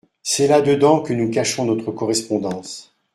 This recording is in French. C’est là dedans que nous cachons notre correspondance.